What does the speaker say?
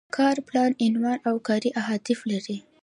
کاري پلان عنوان او کاري اهداف لري.